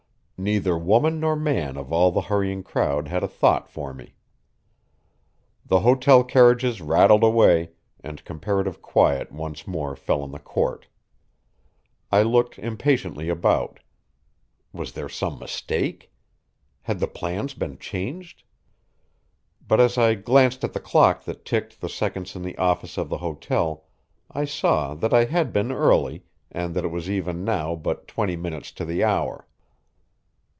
Neither woman nor man of all the hurrying crowd had a thought for me. The hotel carriages rattled away, and comparative quiet once more fell on the court. I looked impatiently about. Was there some mistake? Had the plans been changed? But as I glanced at the clock that ticked the seconds in the office of the hotel I saw that I had been early, and that it was even now but twenty minutes to the hour.